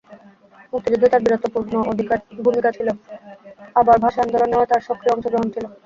মুক্তিযুদ্ধে তাঁর বীরত্বপূর্ণ ভূমিকা ছিল, আবার ভাষা আন্দোলনেও তাঁর সক্রিয় অংশগ্রহণ ছিল।